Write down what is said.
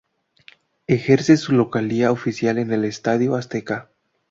Ejerce su localía oficial en el Estadio Azteca.